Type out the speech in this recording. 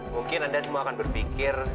mungkin anda semua akan berpikir